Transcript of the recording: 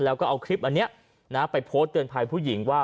แล้วก็เอาคลิปอันนี้ไปโพสต์เตือนภัยผู้หญิงว่า